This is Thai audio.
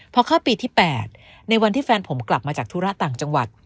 พอเข้าปีที่๘ในวันที่แฟนผมกลับมาจากธุระต่างจังหวัด